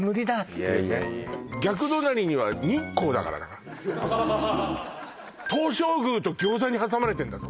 いやいやいや逆隣には日光だからな東照宮と餃子に挟まれてんだぞ